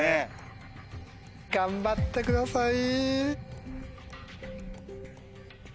頑張ってください。